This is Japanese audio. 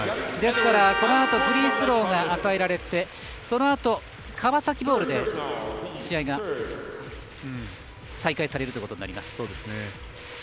ですから、このあとフリースローが与えられてそのあと川崎ボールで試合が再開されるということになります。